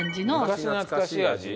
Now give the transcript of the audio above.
昔懐かしい味？